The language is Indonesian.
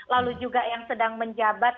lalu juga yang sedang menjabat